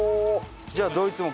じゃあ。